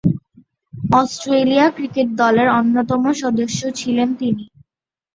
Australia cricket দলের অন্যতম সদস্য ছিলেন তিনি।